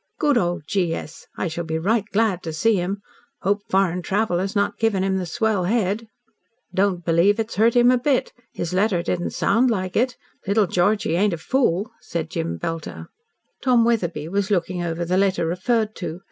Good old G. S. I shall be right glad to see him. Hope foreign travel has not given him the swell head." "Don't believe it's hurt him a bit. His letter didn't sound like it. Little Georgie ain't a fool," said Jem Belter. Tom Wetherbee was looking over the letter referred to.